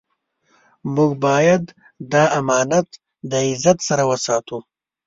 موږ باید دا امانت د عزت سره وساتو.